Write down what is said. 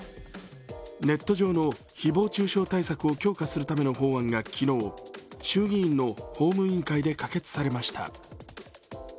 ネット上の誹謗中傷対策を強化するための法案が昨日、衆議院の法務委員会で可決されました。